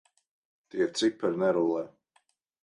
Tie cipari nerullē.